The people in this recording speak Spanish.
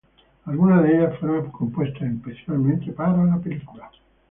Algunas de ellas fueron compuestas especialmente para la película.